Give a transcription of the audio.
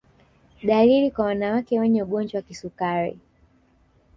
Dalili kwa wanawake wenye ugonjwa wa kisukari